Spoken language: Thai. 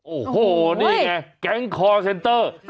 โอ้โหนี่เองไงกางคอร์เซ็นเตอร์